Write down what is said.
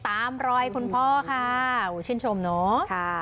ตามรอยคุณพ่อค่ะชื่นชมเนาะ